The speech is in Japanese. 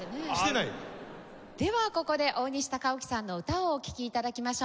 ではここで大西宇宙さんの歌をお聴き頂きましょう。